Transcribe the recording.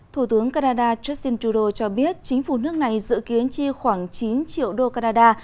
thủ tướng canada justin trudeau cho biết chính phủ nước này dự kiến chi khoảng chín triệu đô canada